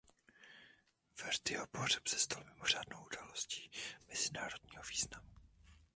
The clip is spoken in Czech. Verdiho pohřeb se stal mimořádnou událostí mezinárodního významu.